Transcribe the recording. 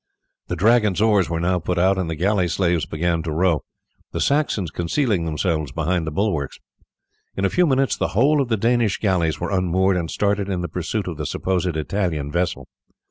The Dragon's oars were now put out and the galley slaves began to row, the Saxons concealing themselves behind the bulwarks. In a few minutes the whole of the Danish galleys were unmoored and started in the pursuit of the supposed Italian vessel.